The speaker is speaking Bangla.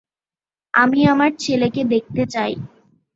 আমি আমার ছেলেকে দেখতে চাই।